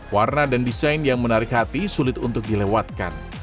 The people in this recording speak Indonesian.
warna dan desain yang menarik hati sulit untuk dilewatkan